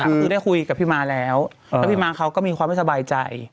ก็คือได้คุยกับพี่ม้าแล้วแล้วพี่ม้าเขาก็มีความไม่สบายใจ